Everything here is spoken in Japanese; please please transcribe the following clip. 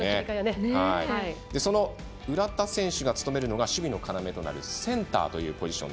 その浦田選手が務めるのが守備の要となるセンターというポジション。